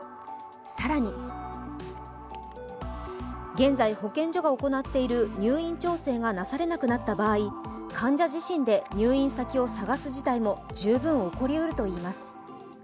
更に現在、保健所が行っている入院調査がなされなくなった場合、患者自身で入院先を探す事態も十分、起こりうるといいます。